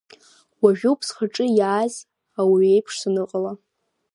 Уажәоуп зхаҿы иааз ауаҩ иеиԥш саныҟала.